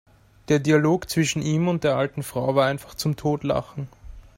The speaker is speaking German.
Der Dialog zwischen ihm und der alten Frau war einfach zum Totlachen!